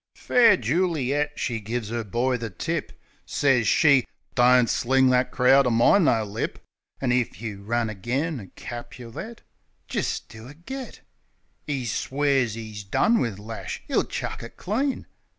Fair Juli et, she gives 'er boy the tip. Sez she: "Don't sling that crowd o' mine no lip; An' if you run agin a Capulet, Jist do a get," 'E swears 'e's done wiv lash; 'e'll chuck it clean.